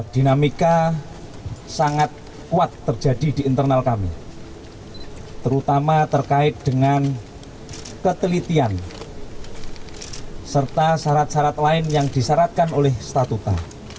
dinamika sangat kuat terjadi di internal kami terutama terkait dengan ketelitian serta syarat syarat lain yang disyaratkan oleh statuta